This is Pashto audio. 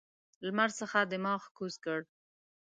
لمر څخه دماغ کوز کړ.